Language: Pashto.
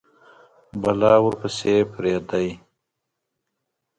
بلا ورپسي پریده یﺉ